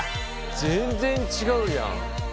全然違うじゃん！